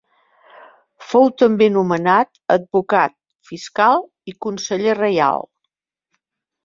Fou també nomenat advocat fiscal i conseller reial.